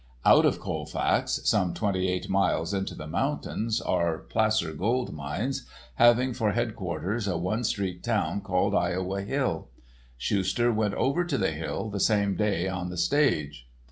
Out of Colfax, some twenty eight miles into the mountains, are placer gold mines, having for headquarters a one street town called Iowa Hill. Schuster went over to the Hill the same day on the stage.